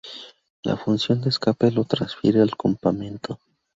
La función escape lo transfiere al campamento.